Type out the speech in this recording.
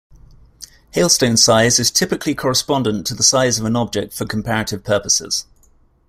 Hailstone size is typically correspondent to the size of an object for comparative purposes.